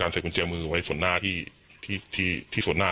ใส่กุญแจมือไว้ส่วนหน้าที่ที่ส่วนหน้า